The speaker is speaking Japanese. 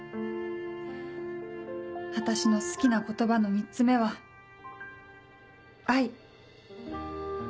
私の好きな言葉の３つ目は「愛」。